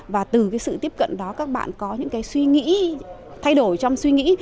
và từ cái sự tiếp cận đó các bạn có những cái suy nghĩ thay đổi trong suy nghĩ